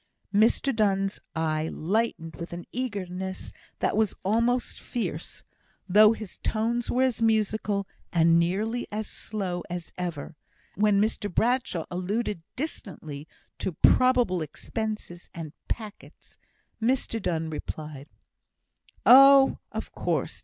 Mr Donne's eye lightened with an eagerness that was almost fierce, though his tones were as musical, and nearly as slow, as ever; and when Mr Bradshaw alluded distantly to "probable expenses" and "packets," Mr Donne replied, "Oh, of course!